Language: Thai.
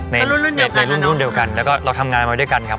ในรุ่นเดียวกันแล้วก็เราทำงานมาด้วยกันครับ